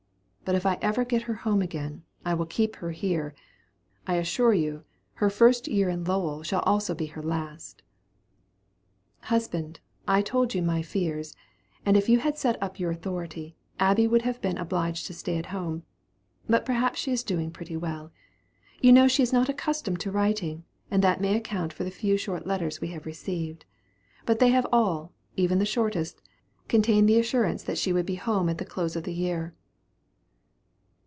But if I ever get her home again, I will keep her here. I assure you, her first year in Lowell shall also be her last." "Husband, I told you my fears, and if you had set up your authority, Abby would have been obliged to stay at home; but perhaps she is doing pretty well. You know she is not accustomed to writing, and that may account for the few and short letters we have received; but they have all, even the shortest, contained the assurance that she would be at home at the close of the year."